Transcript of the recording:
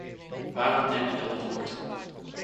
Waarom neem ik dan het woord?